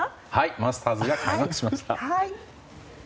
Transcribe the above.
マスターズが開幕しました。